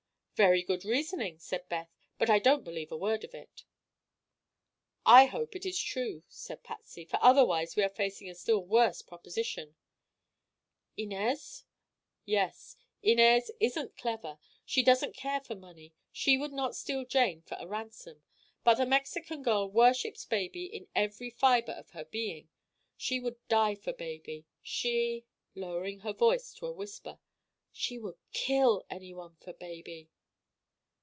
"Very good reasoning," said Beth; "but I don't believe a word of it." "I hope it is true," said Patsy, "for otherwise we are facing a still worse proposition." "Inez?" "Yes. Inez isn't clever; she doesn't care for money; she would not steal Jane for a ransom. But the Mexican girl worships baby in every fibre of her being. She would die for baby; she—" lowering her voice to a whisper, "she would kill anyone for baby."